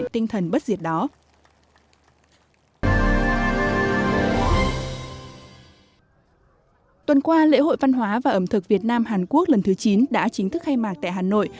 tuần qua lễ hội văn hóa và ẩm thực việt nam hàn quốc lần thứ chín đã chính thức khai mạc tại hà nội